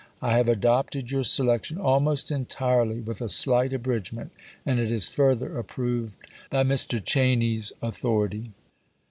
I have adopted your selection almost entirely, with a slight abridgement, and it is further approved by Mr. Cheyne's authority."